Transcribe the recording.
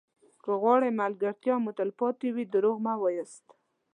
که غواړئ ملګرتیا مو تلپاتې وي دروغ مه وایاست.